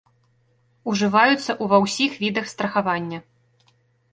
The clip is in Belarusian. Ужываюцца ўва ўсіх відах страхавання.